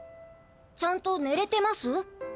ちゃんと寝れてます？